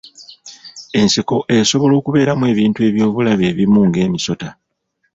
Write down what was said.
Ensiko esobola okubeeramu ebintu eby'obulabe ebimu ng'emisota.